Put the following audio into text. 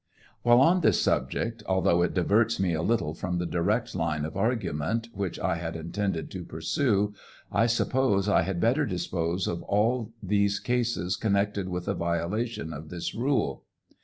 While on this subject, although it diverts me a little from the direct line of argument which I had intended to pursue, I suppose I had better dispose of all these cases connected with a violation of this rule.